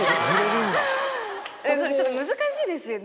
それちょっと難しいですよね。